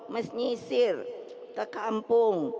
mes nyisir ke kampung